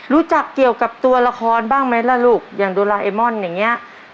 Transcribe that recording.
รู้จักเกี่ยวกับตัวละครบ้างไหมล่ะลูกอย่างโดราเอมอนอย่างนี้